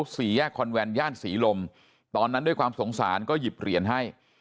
สี่แยกคอนแวนย่านศรีลมตอนนั้นด้วยความสงสารก็หยิบเหรียญให้